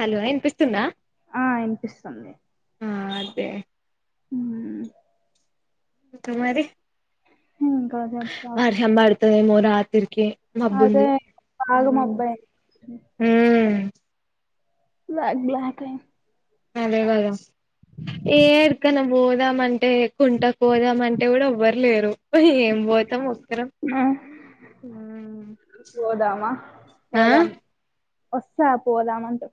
Hello వినిపిస్తుందా ఆ ఇనిపిస్తుంది ఆ అదే హ్మ్ ఇప్పుడు మరి ఇంకా చెప్పాలి వర్షం బడుతదేమో రాత్రి కే అదే మబ్బుంది బాగా మ్మ్ మబ్బయింది బ్లాక్ బ్లాక్ లే అదే కదా ఏ ఎడికైనా పో రమ్మంటే కుంట పోదామంటే కూడా ఎవ్వరు లేరు ఏం పోతాం వస్తా స్తాం ఆ, పోదామా ఆ పోదాం వస్తా పోదామంటె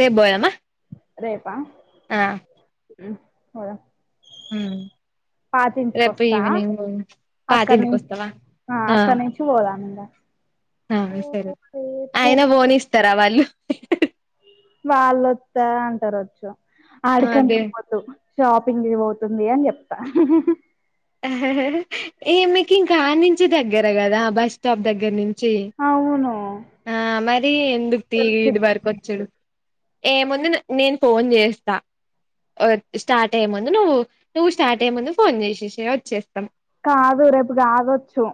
రేపు పోదమా రేపా ఆ హ్ ఆ హ్ రేపు వస్తా ఈవినింగ్ అక్కడ పాతింటికి నుంచి వస్తావా ఆ అక్కడ నుంచి పోదాం ఇంగా ఆ ఓ సరే రేపు ఆయన పోనిస్తరా వాళ్ళు వాళ్ళొస్తా అంటారూ కావచ్చు ఆడికని అదే చెప్పోద్దు షాపింగ్ కి పోతుంది అని చెప్తా ఏ మీకు ఇంకా ఆడ నుంచి దగ్గర కదా బస్ స్టాప్ దగ్గర నుం అవును ఆ మరి ఎందుకు తీ ఈడ వరకు ఓచ్చుడు ఏముంది నేను ఫోన్ చేస్తా స్టార్ట్ అయ్యే ముందు నువ్వు నువ్వు స్టార్ట్ అయ్యే ముందు ఫోన్ చేసేసియ్ వచ్చే కాదు రేపు కాదొచ్చు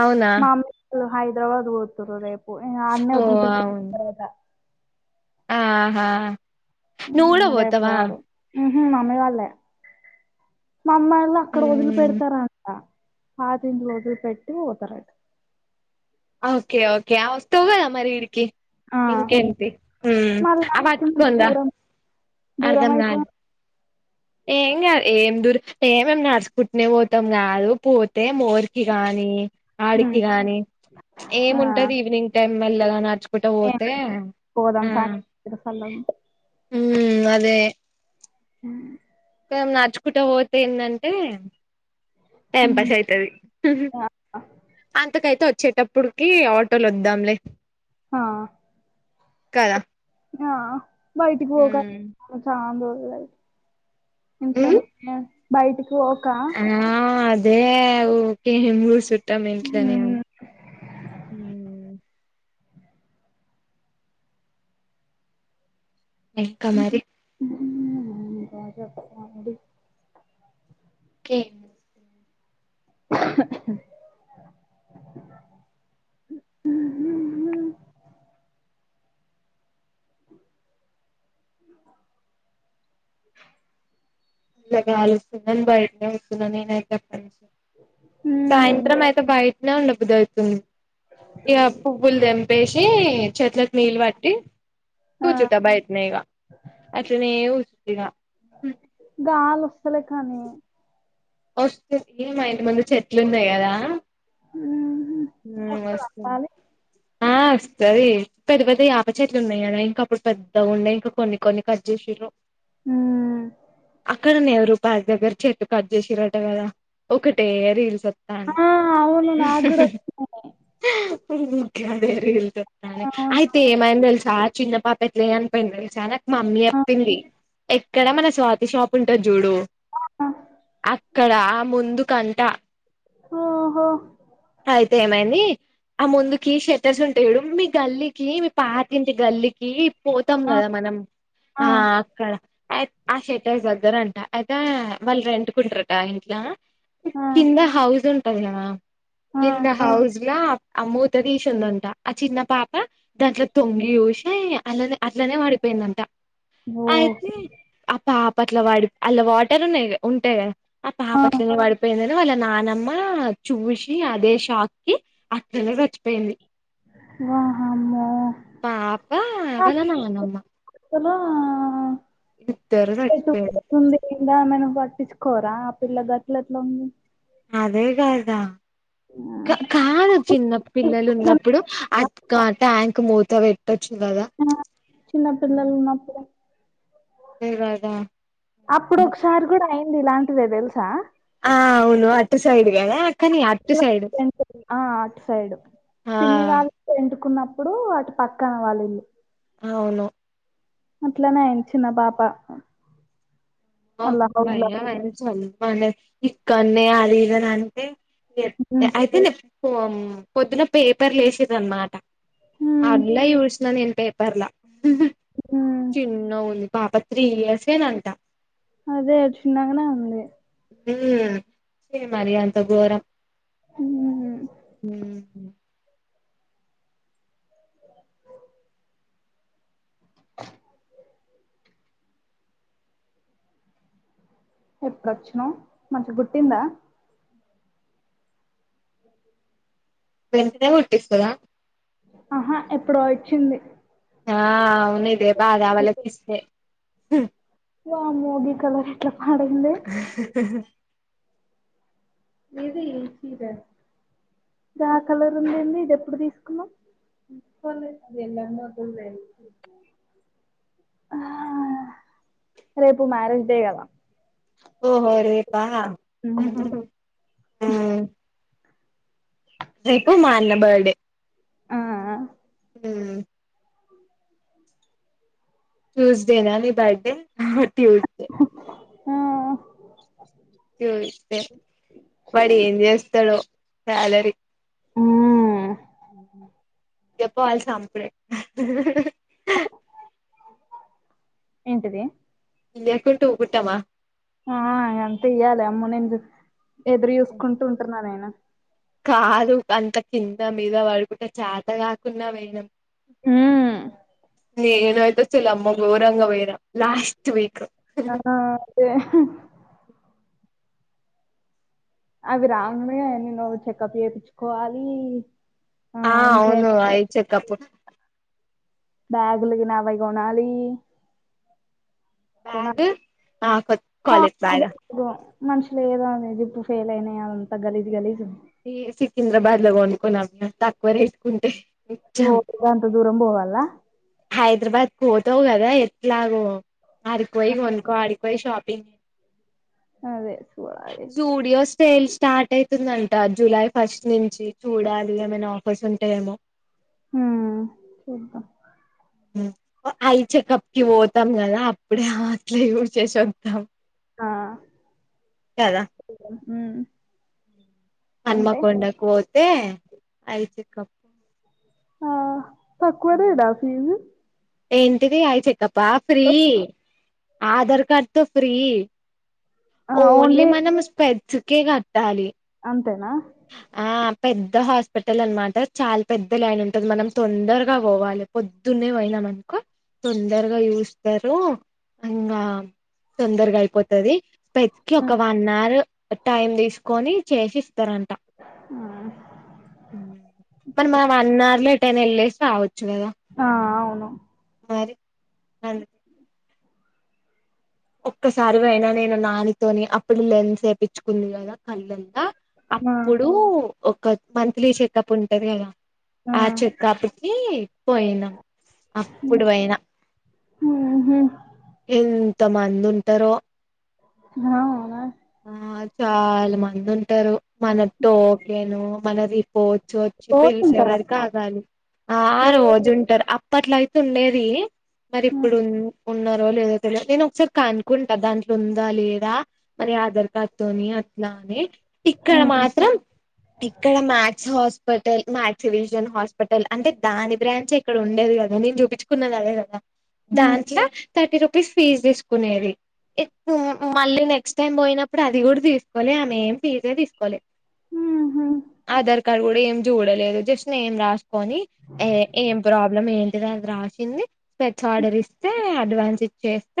అవునా మా అమ్మీ వాళ్ళు హైదరాబాద్కు పోతుంది రూ రేపు ఇగ అన్నే ఓ వదిలి పెట్టిత్త అవును తర్వత ఆహా నూవ్యు కూడా పోతవా మామ్మీ వాళ్ళే మా అమ్మ వాళ్ళు అక్కడ వదిలి ఉమ్, పెడతారా అంట పాత ఇంట్ల వదిలి పెట్టి పోతారాంట ఓకే ఓకే ఆ వస్తవ్ గద మరి ఇడికి ఆ ఇంకేంటిహ్ మళ్ళా అవి పట్టుకొని దా దూరం దూరం అయితది ఏం కాదు ఏం దూర్ ఏమేం నడుసుకుంటునే పోతాం కాదు పోత తే మోరికి గాని ఆడికి గాని ఆ ఏముంటది ఈవినింగ్ టైం మెల్లగా నడుచుకుంటూ ఏం పోతే పోదాం సాయంత్రం సల్లగా ఉంటది ఉ అదే హ్ నడుచుకుంటా పోతే ఏందంటే టైం పాస్ అయితది ఆ అంతకైత వ వచ్చేటప్పటికి ఆటోలో వద్దాంలే ఆ కదా ఆ బయటికి పోక పోతండు ఉమ్ ఇంట్లోనే బయటికి పోక ఏ ఊకె ఏం కుసుటం ఇంట్లనే ఉమ్, ఇంకా మరి హ్ రజప అది ఎం చేస్తం [unintelligible] [unintelligible] అ ఇలాగాలుస్తుందని బయటనే కూర్చున్న నేనయితే హ్మ్ సాయంత్రం అయితే బయటనే ఉండబుద్దిఅవుతుంది ఇక పువ్వులు తెంపేసి చెట్లకు నీళ్ళు పట్టి ఆ కూచుట బైటనే ఇగ అట్లనె కూచ గాలి వస్తలే ఖాని వస్తుంది మా ఇంటి ముందు చెట్లు ఉన్నాయి కదా హ్మ్ హ వస్తదా వస్తు గాలి ఆ వస్తది పెద్ద పెద్ద యాప చెట్లు ఉన్నాయి కదా ఇంకా అప్పుడు పెద్దగా ఉండే ఇంకా కొన్ని కొన్ని కట్ చేసిర్రు హ్మ్ అక్కడనే ఎవరో బాయీ దగ్గర చెట్టు కట్ చేసిరట కదా ఒకటే రీల్స్ తను ఆ అవును నాకు కూడా వచ్చినాయి గదే రీల్స్ వత్తన్నాయి అవును అయితే ఏమైంది తెలుసా చిన్న పాప ఎట్ల చనిపోయింది తెలుసా మమ్మీ ఆ చెప్పింది ఎక్కడ మన స్వాతి షాప్ ఉంటాది చూడు ఆ, అక్క అక్కడ ఆ ముందు కంట ఓహో అయితే ఏమైంది ఆ ముందుకి షెటర్స్ ఉంటాయడు మీ గల్లికి మీ పాతింటి గల్లికి పోతాం ఆ కదా మనం ఆ అక్కడ ఆ షేటర్ దగ్గర అంట అయితే వాళ్ళు రెంటుకుంటారట ఆ ఇంట్లా ఆ కింద హౌస్ హౌస్ ఉంటది కదా ఆ కింద హౌస్లా ఆ మూత తీసిందంట ఆ చిన్న పాప దాంట్లో తొంగి చూసి అనే అట్లనే వాడిపోయి పోయిందంట అయితే ఓకే ఆ పాప అట్ల వాడి అళ్లా వాటర్ ఉన్నాయి ఉంటాయి కదా ఆ పాపట్లనే పడిపోయిందని వాళ్ళ నానమ్మ చూసి అదే షాక్ కి అక్కడనే చచ్చిపోయింది వాహమ్మో పాప వాళ్ళ నానమ్మ ఇద్దరు చ చచ్చిపోయారు పంద మన పట్టించుకోరా ఆ పిల్ల గట్ల ఎట్ల ఉంది అదే కాదా కాదు చిన్న పిల్లలు ఉన్నప్పుడు అ ఆ ట్యాంక్ మూత పెట్ టచ్చు కాదా ఆ! అప్పుడు ఒకసారి కూడా అయింది ఇలాంటిదే తెలుసా ఆ అవును అట్ సైడ్ కదా కానీ అటు సైడ్ ఆ అటు సైడ్ ఆ పిన్నివాళ్లు రెంట్ కి ఉన్నపుడు ఇప్పుడు అటు పక్కన వాళ్ళ ఇల్లు అవును ఇట్లానేయ చినా పాప అలా హౌస్‌లో భయ్యా అ చల్మనే ఇక్కనే అది ఇది అంటే హ్మ్. అయితే నే పొద్దున పేపర్లు ఏసేయదాన్నామాట హ్మ్. అందుల చుసిన నేను పపర్లా హ్మ్. చిన్నగుంది పాప త్రి ఇయర్స్నంట అదే చిన్నగానే ఉంది మరి అంత ఘోరం హ్మ్. ఎప్పుడొచ్చనవు మంచి గుట్టిందా వెంటనే కుట్టిస్తదా ఆహా ఎప్పుడో వచ్చింది ఆ అవునుదే బాగా వాళ తీస్తే వామ్మో ది కలర్ ఇట్లా ఇది ఏ చీర గాఆ కలర్ ఉంది ఏంది ఇది ఎప్పుడు తీసు కున్నావ్ తీసుకోలేదు అది ఎల అప్పుడు వేసుకున్న ఆ రేపు మ్యారేజ్ డే కదా ఓహో రేపా ఉ రేపు మా అన్న బర్డే ఆ ఆ ఉ ట్యూస్డే నా నీ బర్డే హ ట్యూస్డే ఆ ట్యూస్డే వాడు ఏం చేస్తాడో సాలరీ ఆ ఉహు చెప్ప వాలసి అప్పుడే ఆ ఏంటిది ఇయ్యకుంటే ఊరుకుంటామా ఆ ఇగా అంతే ఇయ్యాలి అమ్మ నేను ఎదురు చూసుకుంటూ ఉంటున్నానేను కాదు అంత కింద మీద పడుకుంటే చత కాకున్నా పోనాం ఉ నేనువుతే చిలమ్మ గోరంగ వేరా లాస్ట్ వీక్ ఆ అదే అవి రానునే ఎన్న నుోవు చెకప్ చేయించుకోవాలి ఆ అవును అయి చెకప్ బ్యాగులకి నా వైగ గోనాలి బ్యాగ్ కొనాలి ఆ కాలేజ్ బ్యాగ్ [unintelligible] మనుషులు ఏదోంది జిప్పు ఫెయిల్ అయినాయి అదంతా గలీజ గలీజు ఈ సికింద్రాబాద్ లో కొనుకోన్నాం తక్కువ ఇట్కుంటే ఓ గంత దూరం పోవాలా హైదరాబాద్ పోతావు్ కదా ఎట్లాగో అరిపోయి కొనుకో ఆడిపోయి షాప్ పింగ్ అదే సూడాలి సేల్ స్టార్ట్ అవుతుందంట జూలై ఫస్ట్ నుంచి చూడాలి ఏమైనా ఆఫర్స్ ఉంటాయేమో ఉ చూద్దాం ఉ అఐ చెకప్కిి పోతాం కదా అప్పుడే అట్లే యూజ్ చేసి వద్దాం ఆ కదా ఉ మన్మకండకు పోోతే అయిచక్కప్ ఆ తక్కువనే నా ఫీజు ఏంటిది ఐ చెకప్పా ఫ్రీ ఆధార్ కార్డ్ తో ఫ్రీ ఓన్లీ మనం స్పెడ్స్కే కట్టాలి తేనా ఆ పెద్ద హాస్పిటల్ అనమాట చాలా పెద్ద లైన్ ఉంటది మనం తొందరగా పోవాలి పొద్దునే పోయిన మనకు తొందరగా చూస్తరు ఇంగా తొందరగా అయిపోత్ టది ప్రతికి ఒక వన్ అవర్ టైమ్ తీసుకొని చేసిస్ త రంట హ్మ్. మరి మా వన్ అవర్ లో ఎటైనా వెళ్ళేసి రావచ్చు ఆ అవును మారి అది ఒక్కసారి అయినా నేను నానితోని అప్పుడు లెన్స్ ఏపీచ్చుకుంది కదా కళ్ళంతా ఆ అప్పుడు ఒక మంత్లీ చెకప్ ఉంటది కదా ఆ చెకప్ కి పోయినాం అప్పుడు పోయినా ఊహూ ఎన్ త మందింటరో అవునా ఆ చాలా మంది ఉంటరు మన టోకెను మన రిపో చోచ్చి పోతుంటారా పిలిచేవరకాగాలి ఆ రోజు ఉంటారు అప్ ప్పట్లయితే ఉండేది మరి హ్మ్ ఇప్పుడు ఉన్ ఉన్నారో లేదో తెలియ నేను ఒకసారి కాన్కుంటా దాంట్లో ఉందా లేదా మరి ఆధార్ కార్డ్ తోని అట్నానే ఇక్కడ హ్మ్ మాత్రం ఇక్కడ match hospital match vision hospital అంటే దాని బ్రాంచ్ ఇక్కడ ఉండేది కదా నేను చూపించుకున్నది అదే కదా దాంట్ల థర్టీ రూపీస్ ఫీజ్ తీసుకునేది ఇప్పు హు మళ్ళీ నెక్స్ట్ నేను పోయినప్పుడు అది కూడా తీసుకోలె ఆమె ఏం ఫీజే తీసుకోలే ఊహూ ఆధార్ కార్డు కూడ ఏం చూడలేదు జస్ట్ న ఏం రాసుకొని ఏ ఏం ప్రాబ్లం ఏంటి అది రాసింది పె ఆర్డర్ ఇస్తే అడ్వాన్స్ ఇచ్చేస్త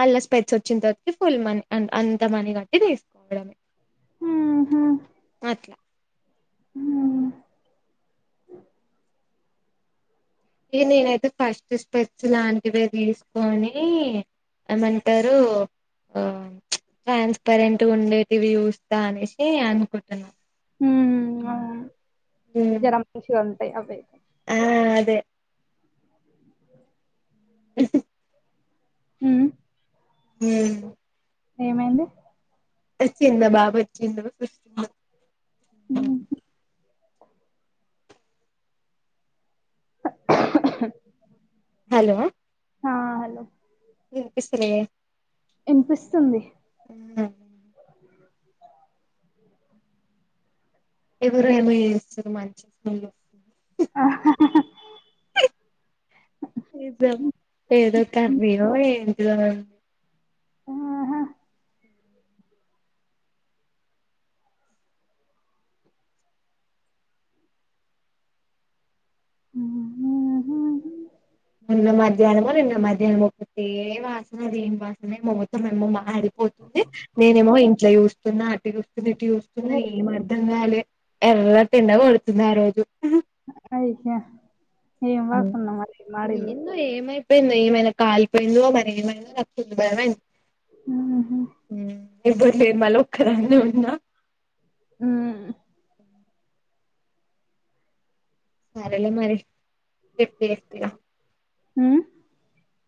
మళ్ళ స్పెట్స్ వచ్చిన తర్వాత ఫుల్ మనీ అ అంత మని కట్టి తీసుకోవడమే మ్ అట్లా హు మ్ ఇక నేనైతే ఫస్ట్ స్పెట్స్ లాంటివ తీసుకొని ఏమంటారు ఆ ఫన్స్ కరెంట్ ఉండేదివి చూస్తా అనేసి అనుకుం మ్ అవును ఉమ్ జర మంచిగ ఉంటాయి అవే దే [unintelligible] మ్ ఉమ్ ఏమైంది వచ్చిండు బాబ వచ్చిండు హ్మ్. హలో హా హలో వినపిస్తలే ఇనిపిస్తుంది ఎవరు ఏమ చేస్తారు మంచి ఫల్ వ ఆ హా హా నిజం ఏదో కర్రీ యో ఏదో ఆహా మ్ హు హు నిన్న మధ్యాహ్నమో నిన్న మధ్యాహ్నమ ఒకటే వాసన దేని వాసన మొత్తం మాడి పోతుంది నేనేమో ఇంట్లో చూస్తున్నా అటు చూ ఎటు చూస్తున్న ఏం అర్థం కాలదు ఎర్ర ఎండ కొడుతుంది ఆ రోజు అ ఏ వాసున్నా మరి మాడిం దు ఎంది ఏమైనా కాలిపోయింది మరి ఏమైనా నచ్చింది బయమైంది ఎబరు లేరు మళ్ళ ఒక్కరన్న ఉన్నా ఉమ్ సరళ మరి పెప్ప ఎ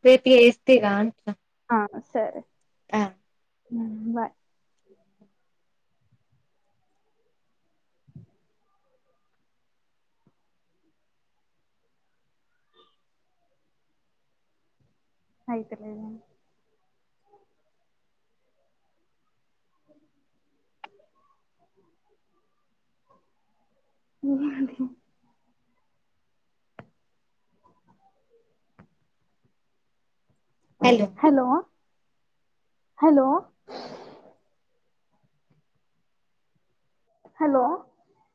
రేప్ ఎస్తిగా అంటన ఆసరే ఆ ఉబాయ్ [inaudible] హయితల దండి ఉది హలో పు హలో హలో